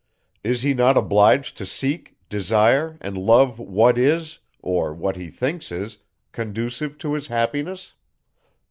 Is he not obliged to seek, desire, and love what is, or what he thinks is, conducive to his happiness?